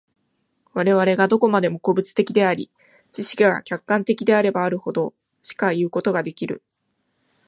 我々がどこまでも個物的であり、知識が客観的であればあるほど、しかいうことができる。